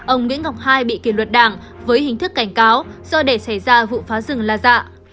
ông nguyễn ngọc hai bị kỳ luật đảng với hình thức cảnh cáo do để xảy ra vụ phá rừng la di